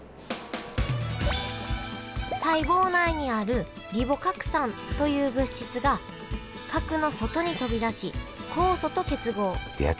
細胞内にあるリボ核酸という物質が核の外に飛び出し酵素と結合。